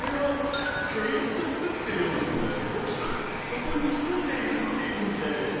そこにすんでいるって意味だよ。